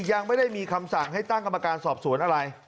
ยังไม่ได้มีคำสั่งให้ตั้งกรรมการสอบสวนอะไร